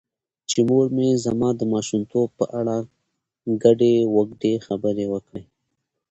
چې مور مې زما د ماشومتوب په اړه ګډې وګډې خبرې وکړې .